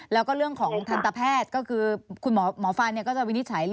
แล้วก็เรื่องของทันตแพทย์ก็คือคุณหมอฟันก็จะวินิจฉัย